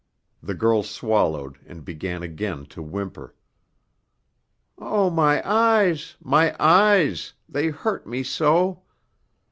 The girl swallowed and began again to whimper: "Oh, my eyes! My eyes! They hurt me so!"